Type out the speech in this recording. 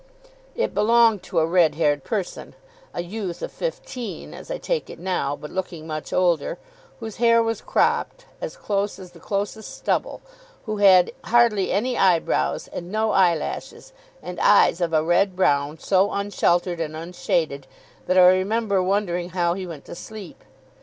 It belonged to a red haired person a youth of fifteen, as I take it now, but looking much older whose hair was cropped as close as the closest stubble; who had hardly any eyebrows, and no eyelashes, and eyes of a red brown, so unsheltered and unshaded, that I remember wondering how he went to sleep.